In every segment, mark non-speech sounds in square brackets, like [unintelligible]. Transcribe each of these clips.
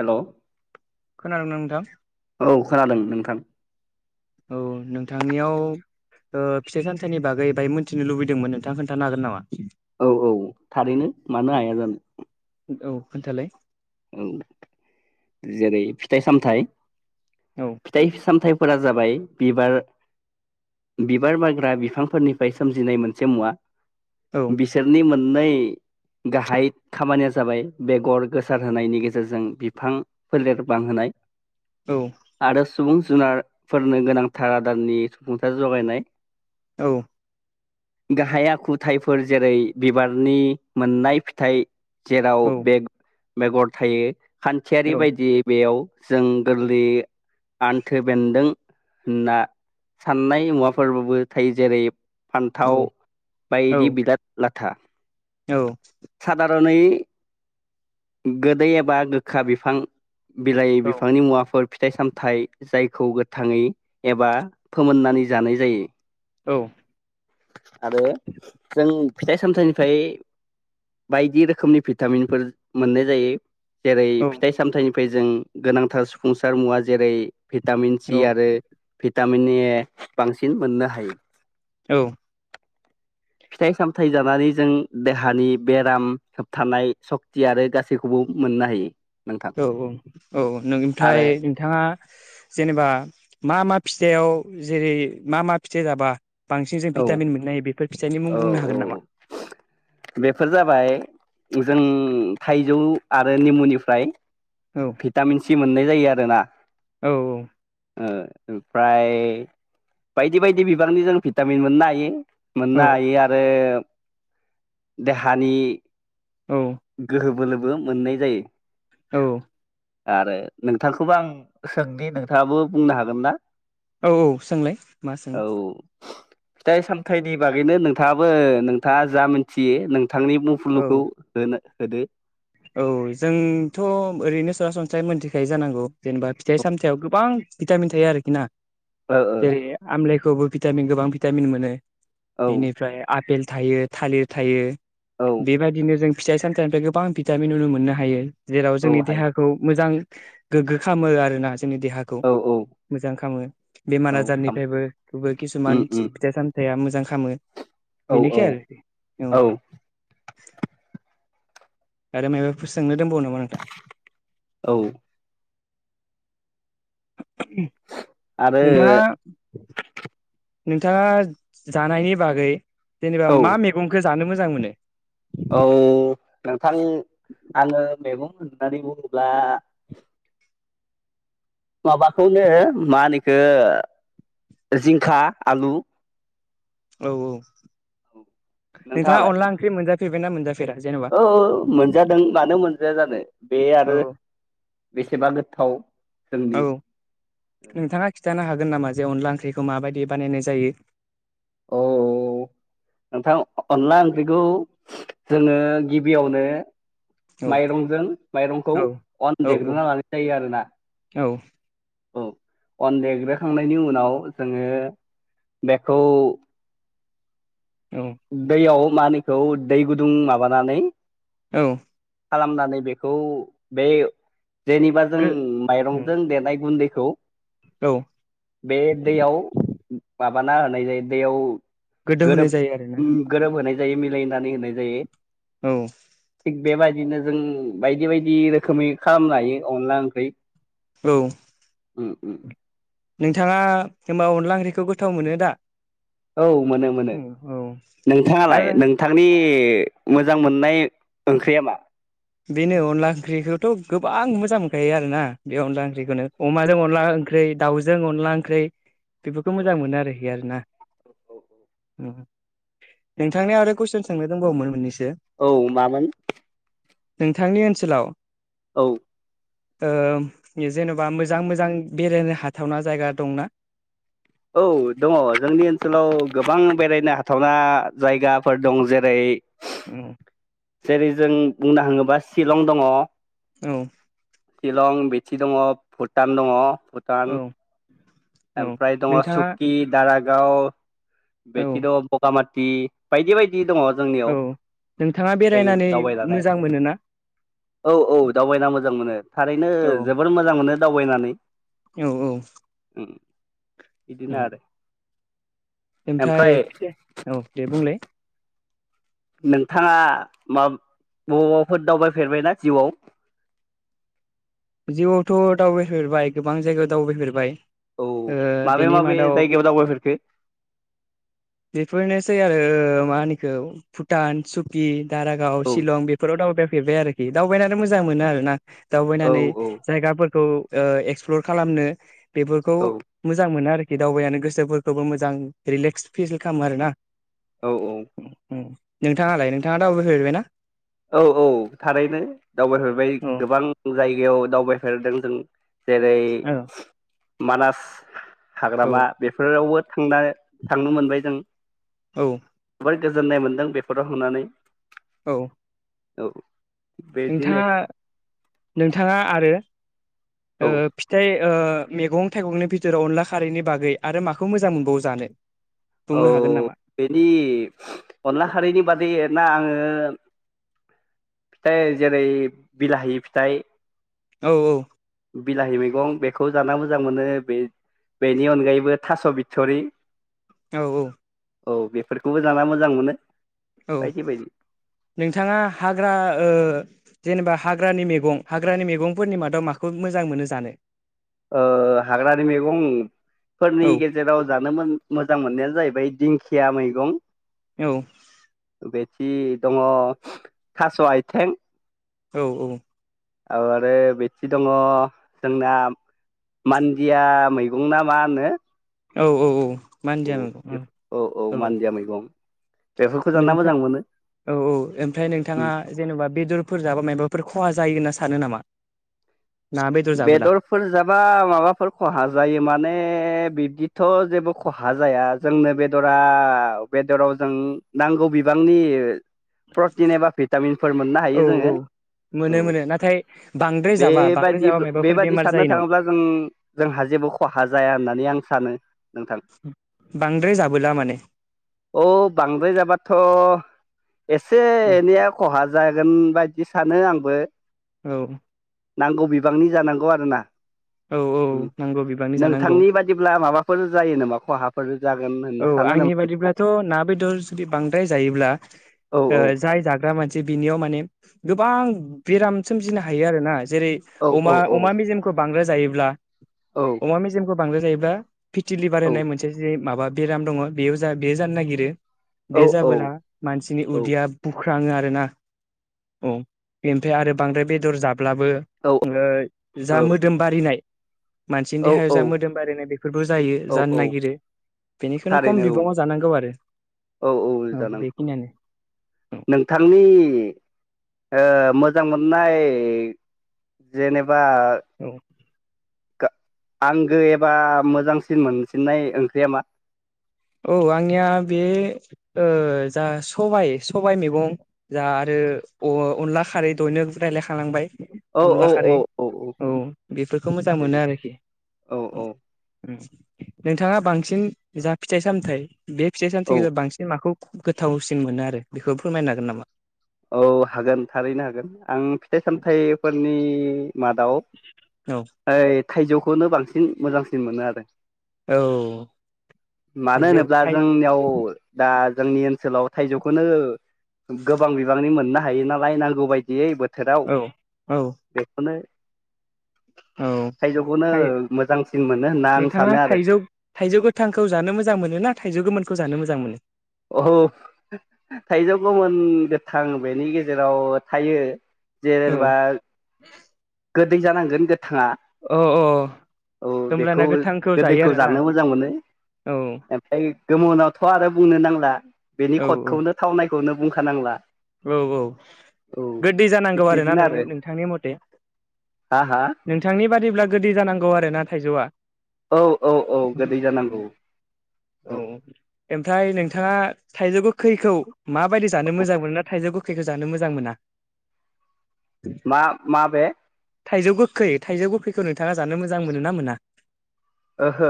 Hello खोनादों ना नोंथां? औ खोनादों नोंथां। औ नोंथांनियाव ओ फिथाइ सामथाइनि बागै बाहाय मोनथिनो लुबैदोंमोन नोंथां खोन्थानो हागोन नामा? औ औ थारैनो मानो हाया जानो। औ खोन्थालाय। औ जेरै फिथाइ सामथाइ औ फिथाइ सामथाइ फोरा जाबाय बिबार बिबार बारग्रा बिफांफोरनिफाय सोमजिनाय मोनसे मुवा। औ बिसोरनि मोन नै गाहाय खामानिया जाबाय बेगर गोस सार होनायनि गेजेरजों बिफां फोलेर बांहोनाय। औ आरो सुबुं जुनारफोरनो गोनांथार आदारनि सुफुंथा जगायनाय। औ गाहाय आखुथायफोर जेरै बिबारनि मोननाय फिथाइ जेराव औ बेग बेगर थायो। खान्थियारि औ बायदियै बेयाव जों गोरलैयै आन्थो बेन्दों होनना साननाय मुवाफोरबाबो थायो जेरै फान्थाव औ बायदि बिलाद लाथ था औ रानै गोदै एबा गोखा बिफां बिलाइ बिफांनि मुवाफोर फिथाइ सामथाइ जायखौ गोथाङै एबा फोमोननानै जानाय जायो। औ आरो जों फिथाइ सामथाइनिफ्राय बायदि रोखोमनि भिटामिनफोर मोननाय जायो। जेरै फिथाइ सामथायाइनि फै जों गोनांथार सुफुंसार मुवा जेरै भिटामिन सि औ आरो भिटामिननि बांसिन मोननो हायो। औ फिथाइ सामथाइ जानानै जों देहानि बेराम होबथानाय सक्ति आरो गासैखौबो मोननो हायो। नोंथां औ औ औ औ नोंनिबथाय आरो नोंथाङा जेनेबा मा मा फिथाइआव जेरै मा मा फिथाइ जाबा बांसिन जे औ भिटामिन मोननाय बेफोर फिथाइनि मुं औ बुंनो औ हागोन नामा बेफोर जाबाय जों थाइजौ आरो निमुनिफ्राय औ भिटामिन सि मोननाय जायो आरोना। औ औ ओ-ओमफ्राय बायदि बायदि बिबांनि जों भिटामिन मोननो हायो। मोननो औ हायो आरो देहानि औ गोहो ब बोलोबो मोननाय जायो। औ। आरो नोंथांखौबो आं सोंनि नोंथाङाबो बुंनो हागोन ना? औ औ सोंलाय मा सोङो। फिथाइ-सामथायाइनि बागैनो नोंथाङाबो नोंथाङा जा मिथियो नों थांनि बुंफुरलुखौ औ ना होदो। औ जोंथ' ओरैनो सरासनस्रायै मोनथिखायो जानांगौ जेनेबा ओ फिथाइ-सामथायाव गोबां भिटामिन थायो आरोखि ना। जेरै आमलाइखौबो भिटामिन गोबां भिटामिन मोनो। ओ औ बेनिफ्राय आपेल थायो, थालिर थायो। औ बेबायदिनो जों फिथाइ-सामथाइनिफ्राय गोबां भिट भिटामिन नुनो मोननो हायो। जेराव औ जोंनि हायो देहाखौ मोजां गोग्गो खामो आरोना ज जोंनि देहाखौ औ औ मोजां खामो औ खाम बेमार-आजारनिफ्रायबो खौबो उम किसुमान उम फिथाइ सामथाइया मोजां खामो। औ औ बिनोखै आरो औ। आरो मायबाफोर सोंनो दंबावो नाम मा नोंथां? [inaudible] औ उम। आरो नोंथाङा [inaudible] नोंथाङा जानायनि बागै जेनेबा औ मा मेगंखो ज जानो मोजां मोनो? औ नोंथां आङो मैगं होननानै बुङोब्ला माबाखौनो मा होनो इखो जिंखा आलु। औ औ। नोंथाङा नोंथाङालाय अनला ओंख्रि मोनजाफ फेरबायना मोनजाफ औ ओ मोनजादों मानो मोनजाया जानो बे आरो औ बेसेबा गोथाव। जोंनि औ नोंथाङा खिन्थानो हागोन नामा जे अनला ओंख्रिखौ माबायदि बानायनाय जायो औ नोंथां अनला ओंख्रिखौ जोङो गिबियावनो औ माइरंजों माइरंखौ औ अन औ देग्रोना लानाय जायो आरोना औ औ अन देग्रोखांनायनि उनाव जोङो बेखौ औ दैयाव मानिखौ दै गुदुं माबानानै औ खालामनानै बेखौ बे जेनेबा जों औ माइरंजों देनाय गुन्दै औ औ बे दैयाव माबाना होनाय जायो दैयाव गोदौ होनाय गोरोब जायो आरोना गोरोब होनाय जायो मिलायनानै होनाय जायो औ थिग बेबायदिनो जों बायदि बायदि रोखोमै खालामनो हायो अनला ओंख्रि औ उ उ नोंथाङा होमबा अनला ओंख्रिखौ गोथाव मोनो दा औ मोनो मोनो औ नोंथाङालाय आरो नोंथांनि मोजां मोननाय ओंख्रिया मा बेनो अनला ओंख्रिखौथ' गोबां मोजां मोनखायो आरोना बे अनला ओंख्रिखौनो अमाजों अनला ओंख्रि दाउजों अनला ओंख्रि बेफोरखौ मोजां मोनो आरोखि आरोना नोंथांनिया आरो कुइसन सोंनो दंबावोम मोननैस औ मामोन नोंथांनि ओनसोलाव औ जेन'बा मोजां मोजां बेरायनो हाथावना जायगा दंना औ दङ जोंनि ओनसोलाव गोबां बेरायनो हाथावना जायगाफोर दं जेरै औ जेरै जों बुंनो थाङोबा शिलं दङ औ शिलं बेटि दङ भुटान दङ भुटान औ औ ओमफ्राय दङ नोंथाङा सुक्कि दाराग गाव औ बेथि दं बगा मा थि बायदि बायदि दङ। जोंनियाव औ नोंथाङा बेरायनानै दावबायनानै मोजां मोनोना औ औ दावबायना मोजां मोनो थारैनो औ जोबोर मोजां मोनो दावबायनानै। औ औ। [inaudible] इदिनो आरो ओमफ्राय फिथा औ दे बुंलाय। नोंथाङा मा बबावबाफोर दावबायफेरबायना जिउआव? जिउआवथ' दावबायफेरबाय गोबां जायगायाव दावबायफेरबाय। औ माबे बेनि माबे मादाव जायगायाव दावबायफेरखो बेफोरनोसै आरो ओ मा होनोखौ भुटान, सुकि दारागाव, औ शिलं, बेफोराव दावबाय फेरबाय आरोखि दावबायनानै मोजां मोनो आरोना औ दावबायनानै औ जायगाफोरखौ ओ एक्सप्लर खालामनो बेफोरखौ औ मोजां मोनो आरो बे दावबायनानै गोसोफोरखौबो मोजां रिलेक्स [unintelligible] खालामो आरोना। औ औ। नोंथाङालाय नोंथाङा दावबायफेरबायना? औ औ थारैनो दावबायफेरबाय औ गोबां जायगायाव दावबाय फेरदों जों जेरै औ मानास हाग्रामा बेफोरावबो थांना थांनो मोनबाय जों। औ। गोजोन्नाय मोन्दों बेफोराव थांनानै औ औ बिदिनो नोंथाङा नोंथाङा आरो ओ औ फिथाइ ओ मैगं थाइगंनि बिथोराव अनला खारैनि बागै आरो माखौ मोजां मोनबावो जानो। औ बुंनो हागोन नामा बेनि अनला खारिनि बादैना आङो। फिथाइ जेरै बिलाहि फिथाइ। औ औ। बिलाहि मैगं बेखौ जानो मोजां मोनो बे बेनि अनगायैबो थास' बिथरि। औ औ। औ बेफोरखौबो जानो मोजां मोनो। औ बायदि बायदि नोंथाङा हाग्रा ओ जेनेबा हाग्रानि मैगं हाग्रानि मैगंफोरनि मादाव माखौ मोजां मोनो जानो ओ हाग्रानि मैगंफोरनि औ गेजेराव जानो मोजां मोननाया जाहैबाय दिंख खिया मैगं औ जि दङ थास' आयथें औ औ आरो बिथि दङ जोंना मान्दिया मैगं ना मा होनो औ औ औ औ मानदिया मैगं औ औ मानदिया मैगं बेफोरखौ जाना नोंथां मोजां मोनो औ औ ओमफ्राय नोंथाङा जेनबा बेदरफोर जाबा मायाबाफोर खहा जायो होनना स सानो नामा ना बेदर जाबोला बेदरफोर जाबा माबाफोर खहा जायो माने बिब्दिथ' जेबो खहा जाया जोंनो बेदरा बेदराव जों नांगौ बिबांनि प्रटिन एबा भिटामिनफोर मोननो औ हायो जोङो औ मोनो औ मोनो नाथाय बांद्राय जाबा बांद्राय बेबायदि जाबा मायबाफोर बे-बेबादि बेमार साननो जायो नामा थाङोब्ला जों जोंहा जेबो खहा जाया होननानै आं सानो नोंथां बांद्राय जाबोला माने औ बांद्राय जाबाथ' एसे एनैआ खहा जागोन बायदि सानो आंबो औ नांगौ बिब बिबांनि जानांगौ आरो ना औ औ नांगौ बिबांनि जानांगौ नोंथांनि बादिब्ला माबाफोर जायो नामा खहा [unintelligible] औ आंनि बादिब्लाथ' ना बेदर जुदि बांद्राय जायोब्ला औ ओ औ जाय जाग्रा मानसि बिनियाव माने गोबां बेराम सोमजिनो हायो आरोना जेरै औ अमा औ औ अमा मेजेमखौ बांद्रो जायो ब्ला औ अमा मेजेमखौ बांद्राय जायोब्ला फिटिलिभार औ होननाय मोनसे जे माबा बेराम दङ' बेयाव जा बेयो जानो नागिरो। औ बे जाबोला मानसिनि औ उदैया बु ख्राङो आरो ना। औ बेनिफ्राय आरो बांद्राय बेदर जा ब्लाबो औ ओ जा मोदोम बारिनाय मानसिनि औ देहायाव औ जा मोदोम बारिनाय बे फोरबो जायो औ जानो औ नागिरो। बेनिखायनो खम थारैनो बिबाङाव जानांगौ आरो औ औ औ जानांगौ। औ नोंथांनि ओ मोजां मोननाय जेने बा औ गा आंगो एबा मोजांसिन मोनसिननाय ओंख्रिया मा? औ आंनिया बे ओ जा सबाइ सबाइ मैगं जा आरो अ-अनला खारै दहायनो रायलायखालांबाय। औ अनला औ औ खारै औ बेफोरखौ मोजां मोनो थारैनो आरोखि औ उम। नोंथाङा बांसिन जा फिथाइ सामथाइ बे फिथाइ औ सामथाइनि गेजेराव बांसिन माखौ गोथावसिन मोनो आरो बेखौ फोरमायनो हागोन नामा? औ हागोन थारैनो हागोन। आं फिथाइ सामथाइफोरनि मादाव औ ओइ थाइजौ खौनो बांसिन मोजांसिन मोनो आरो औ मानो थाइजौ होनोब्ला थाइ जोंनियाव दा जोंनि ओनसोलाव थाइजौखोनो गो थायो नालाय नांगौ बायदियै बो थोराव औ औ बेखौनो औ थाइजौखौनो थाइ मोजांसिन मोनो होनना आं सानो नोंथाङा आरो थाइजौ थाइजौ गोथांखौ जानो मोजां मोनो ना थाइजौ गोमोनखौ जानो मोजां मोनो औ थाइजौ गोमोन गोथां बेनि गेजेराव थायो। औ जेनेबा गो दै जानांगोन गो थाङा अ अ औ होमब्लाना बेखौ गोथांखौ जायो गोदैखौ आरोना जानो मोजां मोनो। औ ओमफ्राय गोमोनाथ' आरो बुंनो नांला। बेनि औ खदखौनो थावनाय खौनो बुंखानांला औ औ औ गोदै थिग जानांगौ आरोना बिदिनो आरो नों-नोंथांनि मथे हा हा नोंथांनि बादिब्ला गोदै जानांगौ आरोना थाइजौआ? औ औ औ गोदै जानांगौ औ ओमफ्राय नोंथां नोंथाङा थाइजौ गोखैखौ माबायदि जानो औ मोजां मोनो? थाइजौ गोखैखौ जानो मोजां मोना? मा माबे? थाइजौ गोखै थाइजौ गोखैखौ नोंथाङा जानो मोजां मोनो ना मोना? ओहो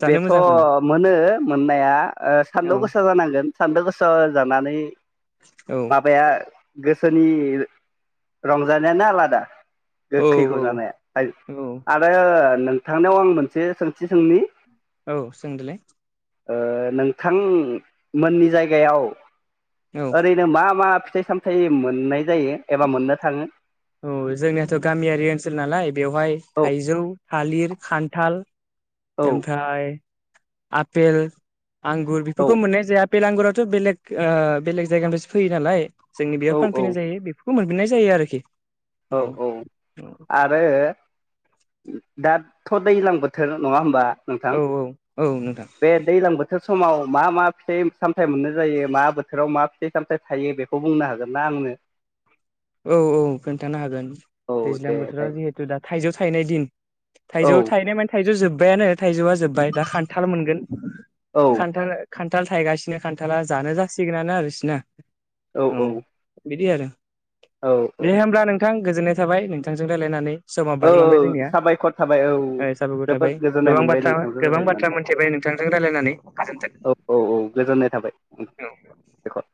जानो बेथ' मोजां मोना मोनो मोननाया औ सान्दुं ओ गोसा जानांगोन सान्दुं गोसा जानानै औ। माबाया गोसोनि रंजानायानो आलादा औ गोखैखौ औ जानाया औ आरो नोंथांनियाव आं मोन से सोंथि सोंनि? औ सोंदोलाय। ओ नोंथां मोननि जायगायाव औ ओरैनो मा मा फिथाइ सामथाय मोननाय जायो एबा मोननो थाङो? औ जोंनियाथ' गामियारि ओनसोल नालाय बेवहाय औ थाइजौ थालिर, खान्थाल औ ओमफ्राय आपेल आंगुर औ बेफोरखौ मोननाय जाया। आपेल आंगुराथ' बेलेग ओ बेलेग जायगानिफ्रायसो फैयो नालाय। जोंनि औ बेयाव औ फानफैनाय जायो बेफोर फोमोनफिननाय जायो आरोखि। औ औ आरो दा थ' दैलां बोथोर नङा होमबा? नोंथां औ औ नोंथां बे दैलां बोथोर समाव मा मा फिथाइ सामथाइ मोननाय जायो मा बोथोराव मा फिथाइ सामथाइ थायो बेखौ बुंनो हागोन ना आंनो? औ औ। खोन्थानो हागोन औ दैज्लां दे बोथोराव दे जेहेथु दा थाइजौ थायनाय दिन औ थाइजौ थायनाय माने थाइजौ जोब जोबबायानो थाइजौआ जोबबाय दा खान्थाल मोनगोन। औ खानथाल खान खान्थाल थायगासिनो खान्थाला जानो जासिगोनानो आरो बिसिना। औ बिदि आरो। औ औ दे होमब्ला नोंथां। गोजोननाय थाबाय नोंथांजों रायलायनानै। समा औ बारलांबाय जोंनिया साबायखर थाबाय औ साबायखर थाबाय जोबोद गोजोननाय गोबां मोनबाय बाथ्रा नोंथांजों गोबां बाथ्रा रायलायनानै मोनथिबाय नोंथांजों रायलायनानै गोजोनथों औ औ औ गोजोननाय थाबाय साबायखर।